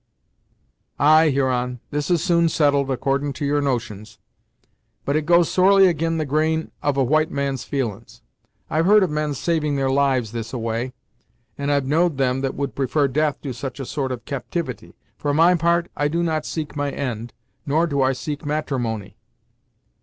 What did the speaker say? "Ay, Huron this is soon settled, accordin' to your notions, but it goes sorely ag'in the grain of a white man's feelin's. I've heard of men's saving their lives this a way, and I've know'd them that would prefar death to such a sort of captivity. For my part, I do not seek my end, nor do I seek matrimony."